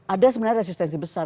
ada sebenarnya resistensi besar